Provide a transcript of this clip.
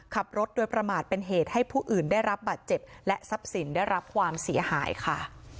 ขับรถโดยประมาทเป็นเหตุให้ผู้อื่นได้รับบาดเจ็บและทรัพย์สินได้รับความเสียหายค่ะ